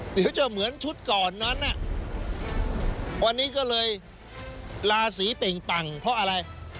เดี๋ยวจะเหมือนชุดก่อนนั้นวันนี้ก็เลยลาศีเป่งปังเพราะอะไร